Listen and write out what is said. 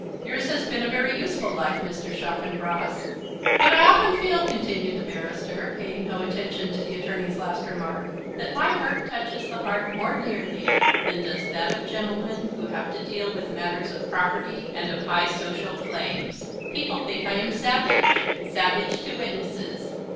"Yours has been a very useful life, Mr. Chaffanbrass." "But I often feel," continued the barrister, paying no attention to the attorney's last remark, "that my work touches the heart more nearly than does that of gentlemen who have to deal with matters of property and of high social claims. People think I am savage, savage to witnesses."